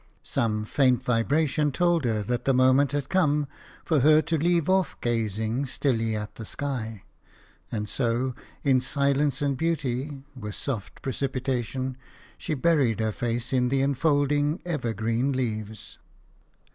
Some faint vibration told her that the moment had come for her to leave off gazing stilly at the sky; and so, in silence and beauty, with soft precipitation, she buried her face in the enfolding evergreen leaves.